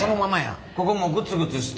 ここもうグツグツして。